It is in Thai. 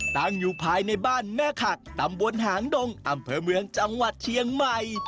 ตั้งอยู่ภายในบ้านแม่ขักตำบลหางดงอำเภอเมืองจังหวัดเชียงใหม่